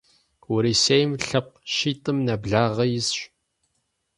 Урысейм лъэпкъ щитӏым нэблагъэ исщ.